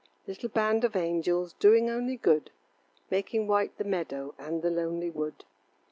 Little band of angels Doing only good, Making white the meadow And the lonely wood.